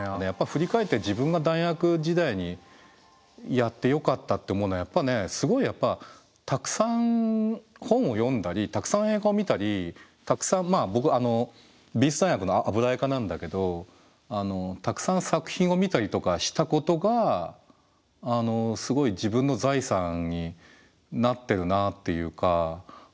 振り返って自分が大学時代にやってよかったって思うのはやっぱねすごいたくさん本を読んだりたくさん映画を見たりたくさん僕美術大学の油絵科なんだけどたくさん作品を見たりとかしたことがすごい自分の財産になってるなっていうか。